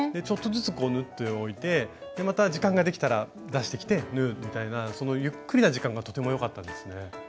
ちょっとずつ縫っておいてまた時間ができたら出してきて縫うみたいなゆっくりな時間がとても良かったですね。